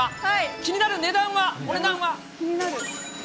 気になる値段は、お値段は？